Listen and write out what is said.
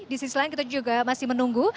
di sisi lain kita juga masih menunggu